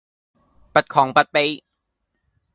不亢不卑